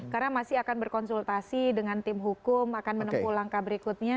karena masih akan berkonsultasi dengan tim hukum akan menemukan langkah berikutnya